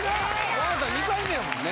あなた２回目やもんね